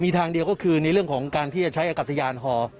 ทางเดียวก็คือในเรื่องของการที่จะใช้อากาศยานห่อ